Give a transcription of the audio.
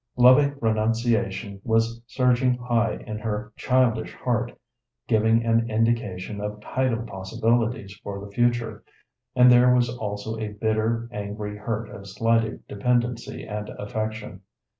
Loving renunciation was surging high in her childish heart, giving an indication of tidal possibilities for the future, and there was also a bitter, angry hurt of slighted dependency and affection.